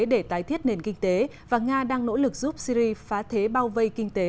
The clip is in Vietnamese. để tái thiết nền kinh tế và nga đang nỗ lực giúp syri phá thế bao vây kinh tế